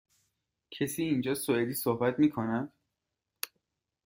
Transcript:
کسی اینجا سوئدی صحبت می کند؟